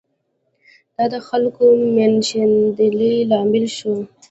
دا د خلکو د مېشتېدنې لامل شو.